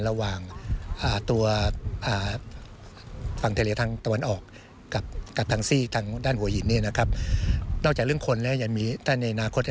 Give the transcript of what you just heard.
ระหว่างตัวฝั่งทะเลทางตะวันออก